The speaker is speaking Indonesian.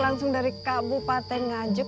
langsung dari kabupaten ngajuk